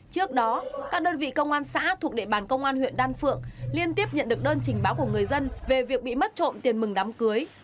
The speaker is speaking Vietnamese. trước đó các đơn vị công an xã thuộc địa bàn công an huyện đan phượng liên tiếp nhận được đơn trình báo của người dân về việc bị mất trộm tiền mừng đám cưới